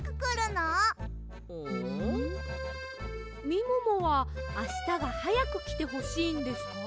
みももはあしたがはやくきてほしいんですか？